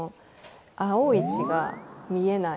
青い血が見えない？